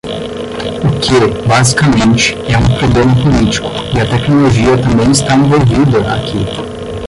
O que, basicamente, é um problema político, e a tecnologia também está envolvida aqui.